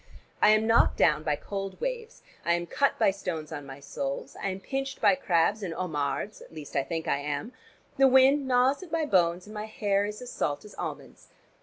I am knocked down by cold waves, I am cut by stones on my soles. I am pinched by crabs and homards, at least I think I am; the wind gnaws at my bones, and my hair is as salt as almonds.